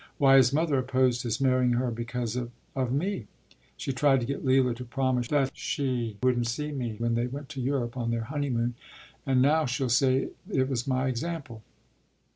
Why, his mother opposed his marrying her because of of me. She tried to get Leila to promise that she wouldn’t see me when they went to Europe on their honeymoon. And now she’ll say it was my example.